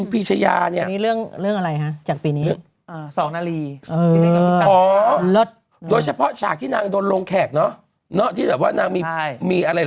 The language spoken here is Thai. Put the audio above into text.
เพราะฉากที่นางโดนลงแขกเนาะเนาะที่แบบว่านางมีมีอะไร